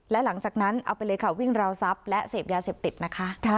และหลังจากนั้นเอาไปเลยค่ะวิ่งราวทรัพย์และเสพยาเสพติดนะคะ